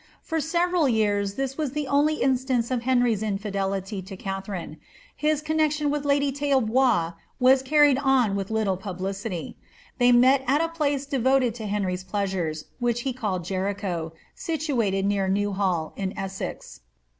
For several years Uiis was the only instance of Henry's infidelity to Katharine ; his connexion with lady Tailbois was carried on with little publicity. They met at a place de voted to Henry's pleasures, which he called Jericho, situated near New Hall, in Essex.